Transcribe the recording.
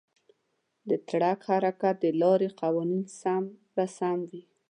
د ټرک حرکت د لارې قوانینو سره سم وي.